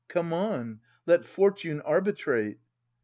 Come on ! Let fortune arbitrate.